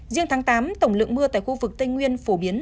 riêng tháng tám tổng lượng mưa tại khu vực tây nguyên phổ biến